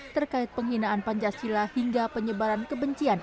terkait penghinaan pancasila hingga penyebaran kebencian